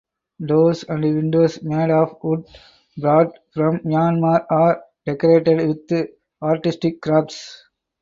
Doors and windows made of wood brought from Myanmar are decorated with artistic crafts.